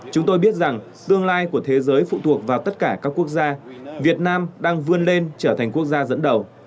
chúng tôi biết rằng tương lai của thế giới phụ thuộc vào tất cả các quốc gia việt nam đang vươn lên trở thành quốc gia dẫn đầu